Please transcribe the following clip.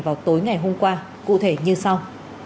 vào tối ngày hôm qua cụ thể như sau